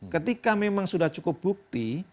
ketika memang sudah cukup bukti